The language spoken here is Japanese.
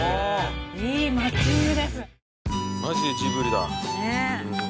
いいマッチングです。